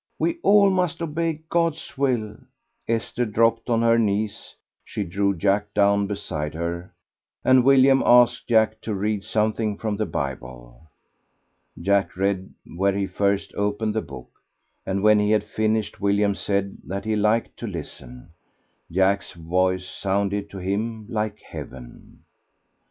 We all must obey God's will." Esther dropped on her knees; she drew Jack down beside her, and William asked Jack to read something from the Bible. Jack read where he first opened the book, and when he had finished William said that he liked to listen. Jack's voice sounded to him like heaven.